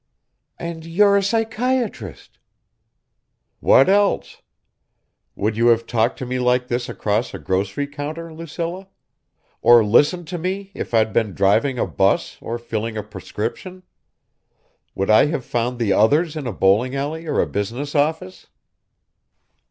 "And you're a psychiatrist!" "What else? Would you have talked to me like this across a grocery counter, Lucilla? Or listened to me, if I'd been driving a bus or filling a prescription? Would I have found the others in a bowling alley or a business office?"